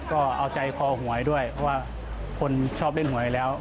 ก็เอาใจคอหวยด้วยเพราะว่าคนชอบเล่นหวยแล้ว